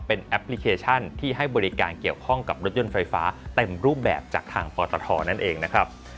เป็นแอปพลิเคชันที่ให้บริการเกี่ยวข้องกับรถยนต์ไฟฟ้าเต็มรูปแบบจากทางปตทนั่นเองนะครับ